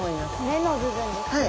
目の部分ですね。